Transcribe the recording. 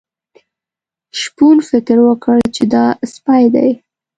شپون فکر وکړ چې دا سپی دی.